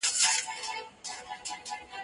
هغه څوک چي کالي وچوي منظم وي؟